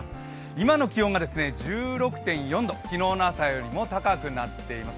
今の気温が１６．４度、昨日の朝より暑くなっています。